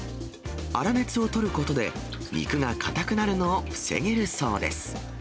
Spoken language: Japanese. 粗熱を取ることで、肉が固くなるのを防げるそうです。